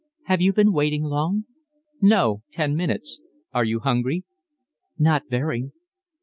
"Have you been waiting long?" "No. Ten minutes. Are you hungry?" "Not very."